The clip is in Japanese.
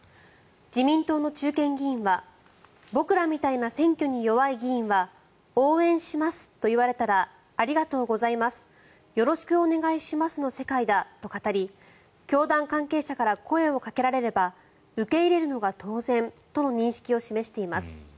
自民党の中堅議員は僕らみたいな選挙に弱い議員は応援しますと言われたらありがとうございますよろしくお願いしますの世界だと語り教団関係者から声をかけられれば受け入れるのが当然との認識を示しています。